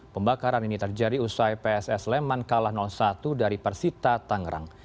pembakaran ini terjadi usai pss leman kalah satu dari persita tangerang